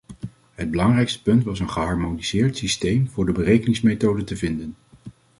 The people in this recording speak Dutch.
Het belangrijkste punt was een geharmoniseerd systeem voor de berekeningsmethode te vinden.